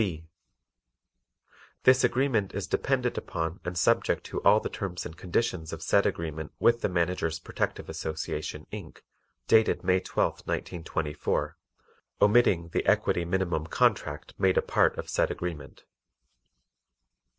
(b) This agreement is dependent upon and subject to all the terms and conditions of said agreement with the Managers' Protective Association, Inc., dated May 12, 1924, omitting the "Equity Minimum Contract" made a part of said agreement.